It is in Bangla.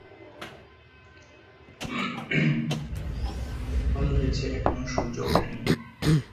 এটি আর্মেনিয়ার রাজধানী ইয়েরেভান এর শহরতলীতে একটি পাহাড়ের চূড়ায় অবস্থিত।